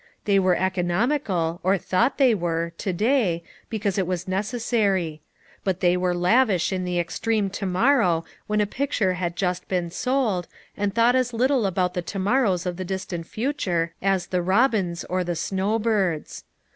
They were economical— or thought they were — to day, because it was necessary; but they were lavish in the extreme to morrow when a picture had just been sold; and thought as little about the to morrows of the distant future as the robins, or the snow birds.